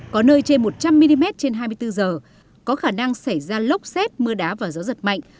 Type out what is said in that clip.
có nơi trên một trăm linh mm trên hai mươi bốn giờ có khả năng xảy ra lốc xét mưa đá và gió giật mạnh